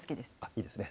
いいですね。